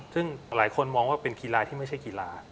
ซึ่งหลายคนมองว่าเป็นกีฬาที่ไม่ใช่กีฬา